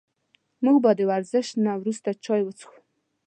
موږ به د ورزش نه وروسته چای وڅښو